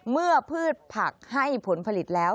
เมื่อพืชผักให้ผลผลิตแล้ว